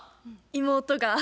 妹が。